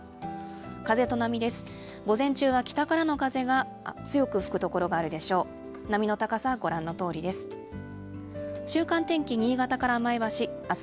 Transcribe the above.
風と波です。